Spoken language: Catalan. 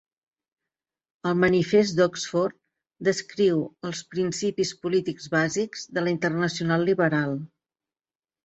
El Manifest d'Oxford descriu els principis polítics bàsics de la Internacional Liberal.